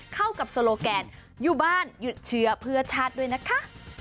เข้ากับโซโลแกนอยู่บ้านหยุดเชื้อเพื่อชาติด้วยนะคะ